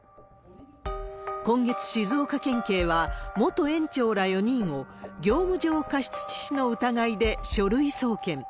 今月、静岡県警は元園長ら４人を業務上過失致死の疑いで書類送検。